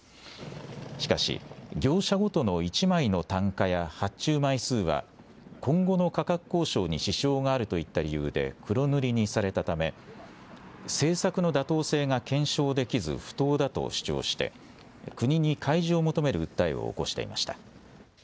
しかし業者ごとの１枚の単価や発注枚数は今後の価格交渉に支障があるといった理由で黒塗りにされたため政策の妥当性が検証できず不当だと主張して国に開示を求める訴えを起こしていました。